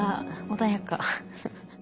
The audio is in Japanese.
穏やか。